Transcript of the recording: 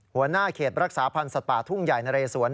หัวหน้าเขตรักษาพันธ์สัตว์ป่าทุ่งใหญ่นะเรสวน